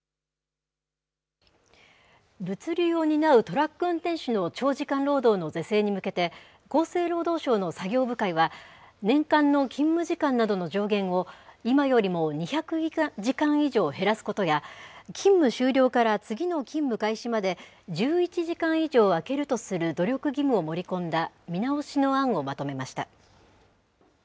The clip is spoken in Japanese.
物流を担うトラック運転手の長時間労働の是正に向けて、厚生労働省の作業部会は、年間の勤務時間などの上限を、今よりも２００時間以上減らすことや、勤務終了から次の勤務開始まで１１時間以上あけるとする努力義務を盛り込んだ見直しの案をまとめました。